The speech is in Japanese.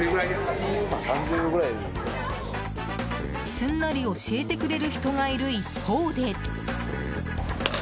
すんなり教えてくれる人がいる一方で。